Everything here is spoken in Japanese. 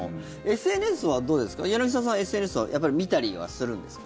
ＳＮＳは、どうですか柳澤さん、ＳＮＳはやっぱり見たりはするんですか？